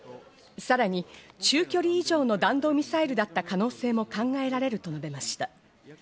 さらに中距離以上の弾道ミサイルだった可能性も考えられると述べました。